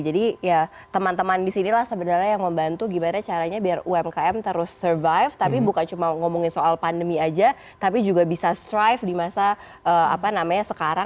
jadi ya teman teman disinilah sebenarnya yang membantu gimana caranya biar umkm terus survive tapi bukan cuma ngomongin soal pandemi aja tapi juga bisa strive di masa apa namanya sekarang